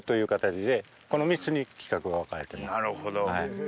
なるほど。